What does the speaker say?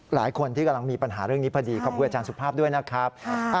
หลายคนที่กำลังมีปัญหาเรื่องนี้พอดีขอบคุณอาจารย์สุภาพด้วยนะครับ